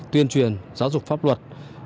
tuyên truyền giáo dục pháp luật